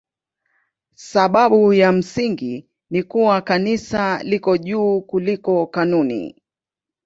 Sababu ya msingi ni kuwa Kanisa liko juu kuliko kanuni.